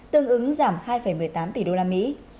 tương ứng giảm hai một mươi tám tỷ usd